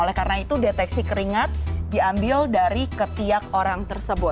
oleh karena itu deteksi keringat diambil dari ketiak orang tersebut